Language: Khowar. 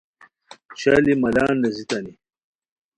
شالی مالان نیزیتانی